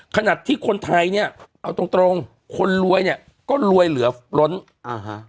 ขนาดที่คนไทยเนี้ยเอาตรงตรงคนรวยเนี้ยก็รวยเหลือล้นอ่าฮะ